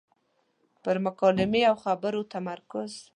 پر مکالمې او خبرو تمرکز.